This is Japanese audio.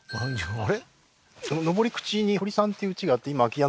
あれ？